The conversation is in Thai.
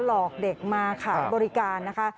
หลอกเด็กมาขายบริการนะคะ